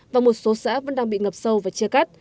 và một số xã vẫn đang bị ngập sâu và chia cắt